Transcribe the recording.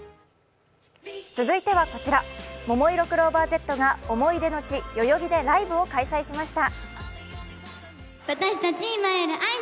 続いてはこちら、ももいろクローバーＺが思い出の地・代々木でライブを開催しました。